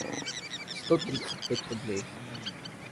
сто тридцать пять рублей